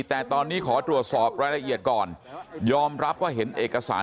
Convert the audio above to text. แต่ตอนนี้ขอตรวจสอบรายละเอียดก่อนยอมรับว่าเห็นเอกสาร